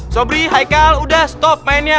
sobri haikal udah stop mainnya